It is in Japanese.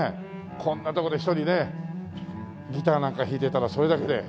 こんなとこで１人ねギターなんか弾いてたらそれだけで。